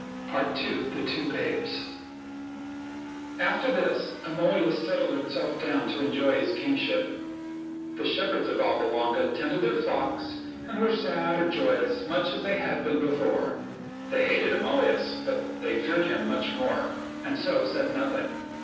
II. THE TWO BABES After this, Amulius settled himself down to enjoy his kingship. The shepherds of Alba Longa tended their flocks, and were sad or joyous much as they had been before. They hated Amulius ; but they feared him much more, and so said nothing.